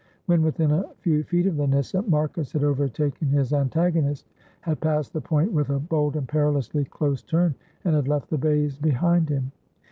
When within a few feet of the nyssa Marcus had overtaken his antagonist, had passed the point with a bold and perilously close turn, and had left the bays behind him.